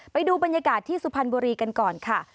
ไปดูบรรยากาศที่สุพรรณบุรีกันก่อนค่ะ